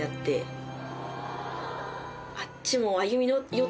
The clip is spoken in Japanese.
あっちも。